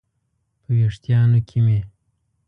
په ویښتانو کې مې